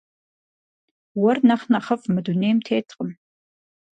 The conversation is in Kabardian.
Уэр нэхъ нэхъыфӏ мы дунейм теткъым.